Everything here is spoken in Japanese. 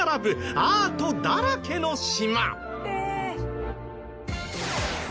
アートだらけの島。